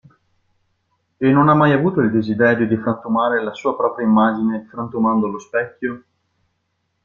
E non ha mai avuto il desiderio di frantumare la sua propria immagine, frantumando lo specchio?